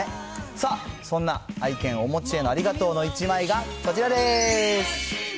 さあ、そんな愛犬、おもちへのありがとうの１枚がこちらです。